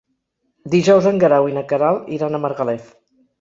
Dijous en Guerau i na Queralt iran a Margalef.